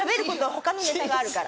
他のネタがあるから。